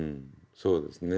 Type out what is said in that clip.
そうですね。